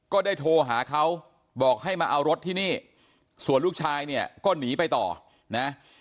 ก็ได้โทรหาเขาบอกให้มาเอารถที่นี่ส่วนลูกชายเนี่ยก็หนีไปต่อนะ